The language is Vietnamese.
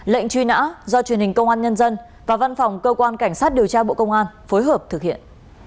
lệnh truy nã do truyền hình công an nhân dân và văn phòng cơ quan cảnh sát điều tra bộ công an phối hợp thực hiện